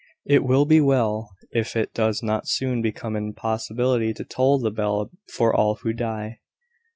It will be well if it does not soon become an impossibility to toll the bell for all who die."